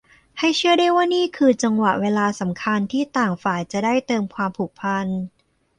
ให้เชื่อได้ว่านี่คือจังหวะเวลาสำคัญที่ต่างฝ่ายจะได้เติมความผูกพัน